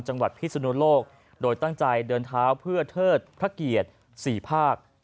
พิศนุโลกโดยตั้งใจเดินเท้าเพื่อเทิดพระเกียรติ๔ภาค